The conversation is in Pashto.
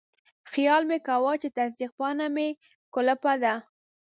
خیال مې کاوه چې تصدیق پاڼه مې کلپه ده.